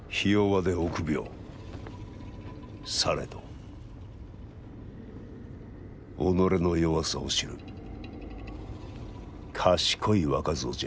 されど己の弱さを知る賢い若造じゃ。